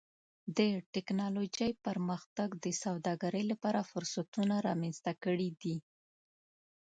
د ټکنالوجۍ پرمختګ د سوداګرۍ لپاره فرصتونه رامنځته کړي دي.